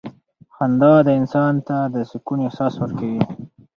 • خندا انسان ته د سکون احساس ورکوي.